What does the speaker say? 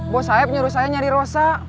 bo saeb nyuruh saya nyari rosa